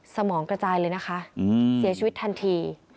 สมองกระจายเลยนะคะเสียชีวิตทันที